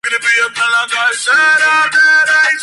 Sin embargo, ninguno de los dispositivos han sido sin cintas.